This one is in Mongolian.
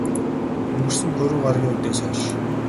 Өнгөрсөн пүрэв гаригийн үдээс хойш.